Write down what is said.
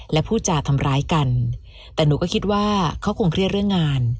และพูดจาทำร้ายกันแต่หนูก็คิดว่าเขาคงเครียดเรื่องงาน